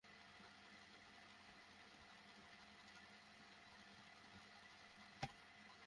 একপর্যায়ে দুই পক্ষের মধ্যে বন্দুকযুদ্ধের ঘটনায় গুলিবিদ্ধ হয়ে মোস্তাক গুরুতর আহত হন।